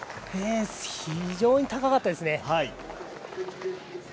非常に高かったですね。